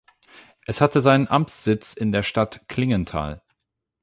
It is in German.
Es hatte seinen Amtssitz in der Stadt Klingenthal.